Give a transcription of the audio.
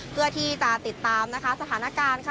เพื่อที่ติดตามสถานการณ์